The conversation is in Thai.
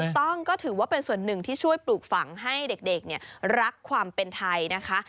ต้องก็ถือว่าเป็นส่วนหนึ่งที่ช่วยปลูกฝังให้เด็กรักความเป็นไทยนะคะ